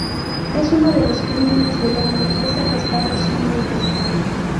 En uno de los crímenes el hombre es arrestado siendo inocente.